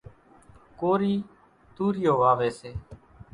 ڪورِي توريئو واويَ سي۔